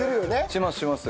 しますします。